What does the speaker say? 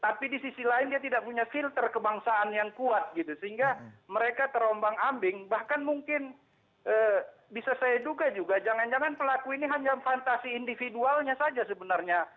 tapi di sisi lain dia tidak punya filter kebangsaan yang kuat gitu sehingga mereka terombang ambing bahkan mungkin bisa saya duga juga jangan jangan pelaku ini hanya fantasi individualnya saja sebenarnya